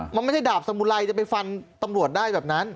มันไม่ใช่ดาบสมุไรจะไปฟันตำรวจได้แบบนั้น